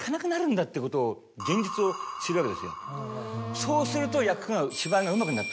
そうすると役が。